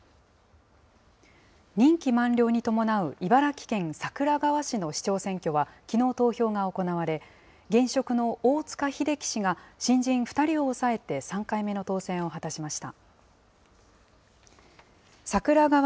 任期満了に伴う茨城県桜川市の市長選挙は、きのう投票が行われ、現職の大塚秀喜氏が新人２人を抑えて３回目の当選を果たしました。